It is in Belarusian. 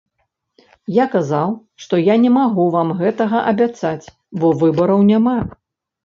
Я казаў, што я не магу вам гэтага абяцаць, бо выбараў няма.